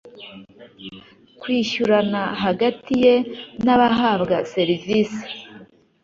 kwishyurana hagati ye n abahabwa serivisi